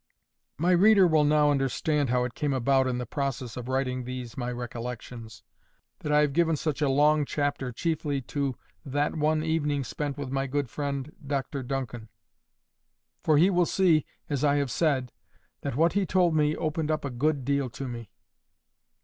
My reader will now understand how it came about in the process of writing these my recollections, that I have given such a long chapter chiefly to that one evening spent with my good friend, Dr Duncan; for he will see, as I have said, that what he told me opened up a good deal to me.